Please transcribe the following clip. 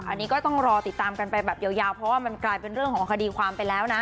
อันนี้ก็ต้องรอติดตามกันไปแบบยาวเพราะว่ามันกลายเป็นเรื่องของคดีความไปแล้วนะ